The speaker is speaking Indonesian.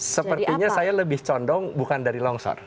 sepertinya saya lebih condong bukan dari longsor